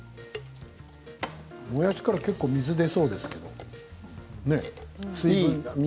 もやしから結構水が出そうですけどね。